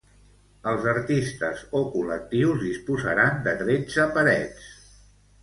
Els artistes o col·lectius disposaran de tretze parets.